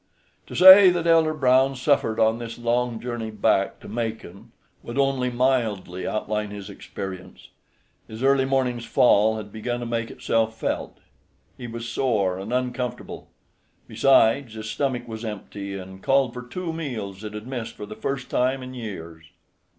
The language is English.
IV To say that Elder Brown suffered on this long journey back to Macon would only mildly outline his experience. His early morning's fall had begun to make itself felt. He was sore and uncomfortable. Besides, his stomach was empty, and called for two meals it had missed for the first time in years.